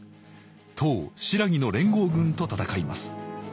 唐・新羅の連合軍と戦います。